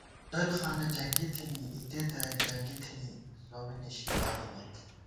ڈل خانہ جنگی تھنی اِتےتہ یَکجنگی تھنی سومّی نِشی بانِمېت